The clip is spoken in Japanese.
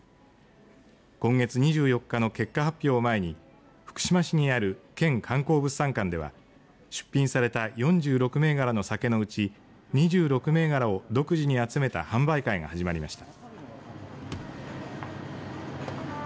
今月２４日の結果発表を前に福島市にある県観光物産館では出品された４６銘柄の酒のうち２６銘柄を独自に集めた販売会が始まりました。